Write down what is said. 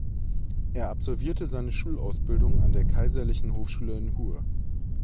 Er absolvierte seine Schulausbildung an der Kaiserlichen Hofschule in Hue.